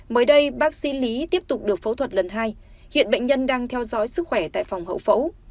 mới đây bác sĩ lý tiếp tục được phẫu thuật lần hai hiện bệnh nhân đang theo dõi sức khỏe tại phòng hậu phẫu